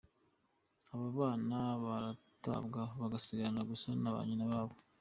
"Abo bana baratabwa, bagasigarana gusa na ba nyina babo.